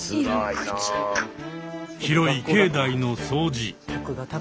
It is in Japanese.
広い境内の掃除。